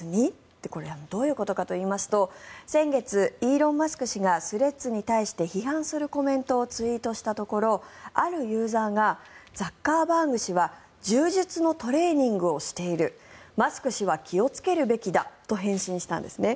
とこれ、どういうことかといいますと先月、イーロン・マスク氏がスレッズに対して批判するコメントをツイートしたところあるユーザーがザッカーバーグ氏は柔術のトレーニングをしているマスク氏は気をつけるべきだと返信したんですね。